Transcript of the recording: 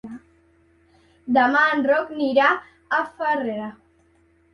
Demà en Roc irà a Farrera.